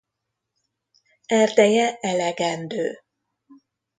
Erdeje elegendő.